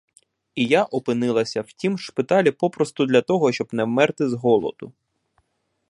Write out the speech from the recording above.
І я опинилася в тім шпиталі попросту для того, щоб не вмерти з голоду.